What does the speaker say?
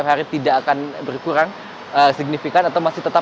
kita bisa melihat